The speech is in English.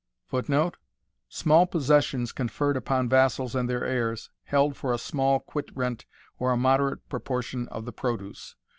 [Footnote: Small possessions conferred upon vassals and their heirs, held for a small quit rent, or a moderate proportion of the produce.